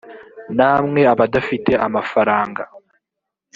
namwe abadafite amafaranga